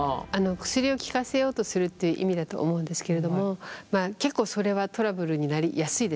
薬を効かせようとするっていう意味だと思うんですけれどもまあ結構それはトラブルになりやすいですね。